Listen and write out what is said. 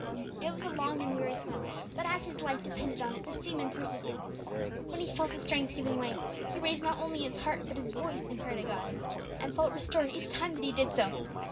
It was a long and weary swim, but as his life depended on it, the seaman persevered. When he felt his strength giving way, he raised not only his heart but his voice in prayer to God, and felt restored each time that he did so.